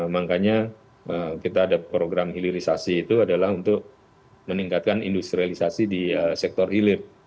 makanya kita ada program hilirisasi itu adalah untuk meningkatkan industrialisasi di sektor hilir